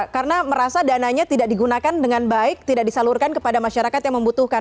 karena merasa dananya tidak digunakan dengan baik tidak disalurkan kepada masyarakat yang membutuhkan